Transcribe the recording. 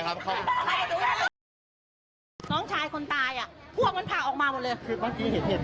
คันคือรู้สึกว่าตักเราสูงเสียให้ไหม